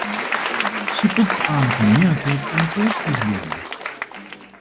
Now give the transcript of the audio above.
She puts on some music and treats his wounds.